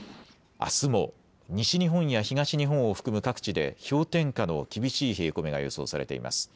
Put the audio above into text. あすも西日本や東日本を含む各地で氷点下の厳しい冷え込みが予想されています。